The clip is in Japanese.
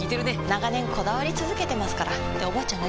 長年こだわり続けてますからっておばあちゃん